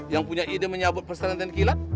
yang punya ide menyabut perserahan dan kilat